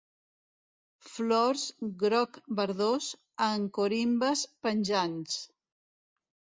Flors groc verdós en corimbes penjants.